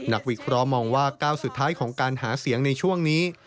วิเคราะห์มองว่าก้าวสุดท้ายของการหาเสียงในช่วงนี้